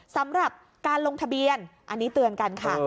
สำหรับการลงทะเบียนอันนี้เตือนกันค่ะ